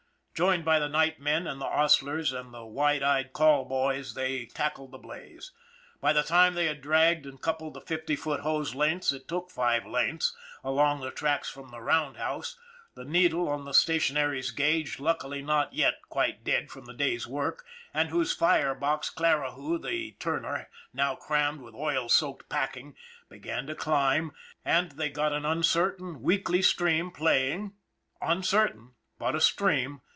Joined by the nightmen and the hostlers and the wide eyed call boys they tackled the blaze. By the time they had dragged and coupled the fifty foot hose lengths, it took five lengths, along the tracks from the roundhouse, the needle on the stationary's gauge, luckily not yet quite dead from the day's work and whose fire box Clarihue, the turner, now crammed with oil soaked packing, began to climb, and they got an uncertain, weakly stream playing un 202 ON THE IRON AT BIG CLOUD certain, but a stream.